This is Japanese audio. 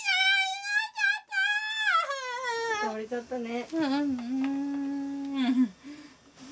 倒れちゃったね。